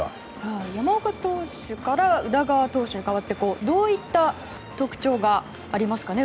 山岡投手から宇田川投手へ代わってどういった特徴がありますかね。